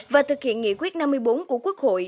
và thực hiện nghị quyết năm mươi bốn của quốc hội